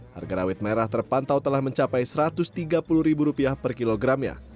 harga rawit merah terpantau telah mencapai satu ratus tiga puluh ribu rupiah per kilogramnya